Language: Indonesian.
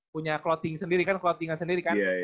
punya clothing sendiri kan clothing an sendiri kan